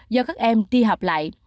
do các em ti học lại